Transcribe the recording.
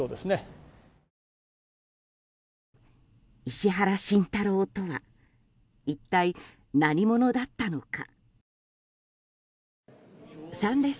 石原慎太郎とは一体、何者だったのか。